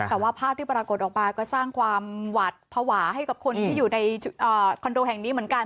แต่ว่าภาพที่ปรากฏออกมาก็สร้างความหวัดภาวะให้กับคนที่อยู่ในคอนโดแห่งนี้เหมือนกัน